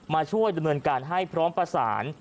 มาช่วยดำเนินการให้พร้อมประสาน